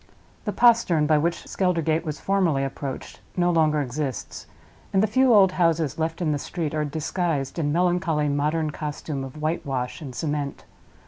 The postern by which Skeldergate was formerly approached no longer exists; and the few old houses left in the street are disguised in melancholy modern costume of whitewash and cement.